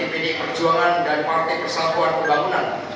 sangat penting untuk pdi perjuangan dan partai persatuan pembangunan